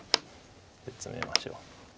ツメましょう。